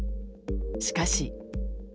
しかし。